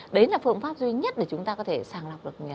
đấy là phương pháp duy nhất để chúng ta có thể sàng lọc được